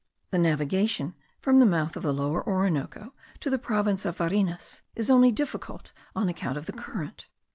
The navigation from the mouth of the Lower Orinoco to the province of Varinas is difficult only on account of the current.